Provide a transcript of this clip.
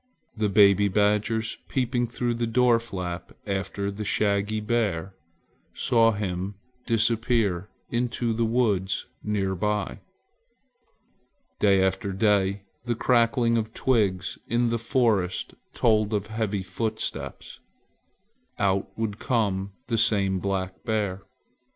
The baby badgers, peeping through the door flap after the shaggy bear, saw him disappear into the woods near by. Day after day the crackling of twigs in the forest told of heavy footsteps. Out would come the same black bear.